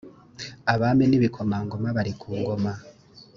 abami n’ibikomangoma bari ku ngoma